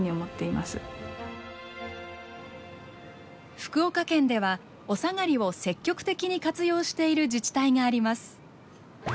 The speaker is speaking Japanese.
福岡県ではおさがりを積極的に活用している自治体があります。